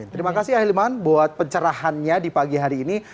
terima kasih ahilman buat pencerahannya di pagi hari ini